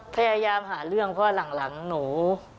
พยายามหาเรื่องเพราะหลังหนู